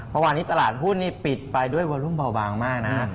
เมื่อวานนี้ตลาดหุ้นนี่ปิดไปด้วยวอลุมเบาบางมากนะฮะ